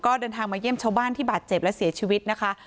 ก็เดินทางมาเยี่ยมชาวบ้านที่บาดเจ็บและเสียชีวิตนะคะ